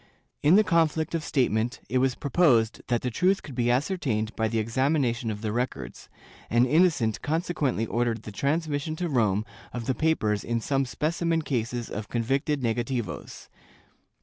In the conflict of statement, it was proposed that the truth could be ascertained by the examination of the records, and Innocent consequently ordered the transmission to Rome of the papers in some specimen cases of convicted negativos.